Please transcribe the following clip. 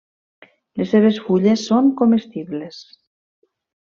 Les seves fulles són comestibles.